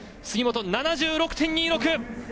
杉本、７６．２６。